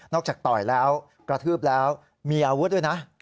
ต่อยแล้วกระทืบแล้วมีอาวุธด้วยนะ